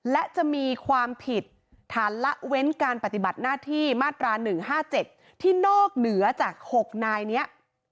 และจะมีความผิดฐานละเว้นการปฏิบัติหน้าที่มาตรา๑๕๗ที่นอกเหนือจาก๖นายนี้